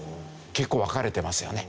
結構分かれてますよね。